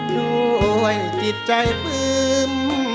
ด้วยจิตใจปื้ม